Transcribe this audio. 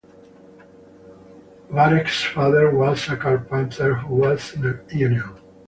Barek's father was a carpenter who was in a union.